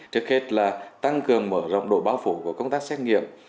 trước hết là tăng cường mở rộng độ báo phủ của công tác xét nghiệm